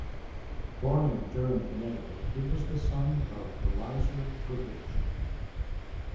Born in Durham, Connecticut, he was the son of Elizur Goodrich.